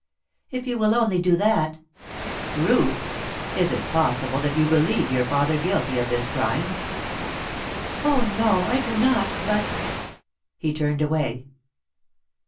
"If you will only do that " "Ruth, is it possible that you believe your father guilty of this crime?" "Oh, no, I do not; but " He turned away.